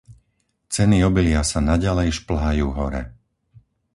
Ceny obilia sa naďalej šplhajú hore.